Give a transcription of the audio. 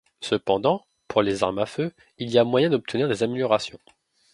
Cependant, pour les armes à feu, il y a moyen d'obtenir des améliorations.